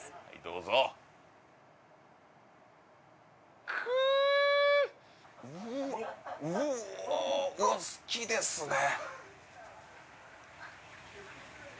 うわ好きですね